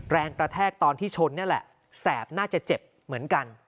แรงกระแทกตอนที่ชนนี่แหละแสบน่าจะเจ็บเหมือนกัน